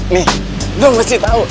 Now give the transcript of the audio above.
nih lo mesti tahu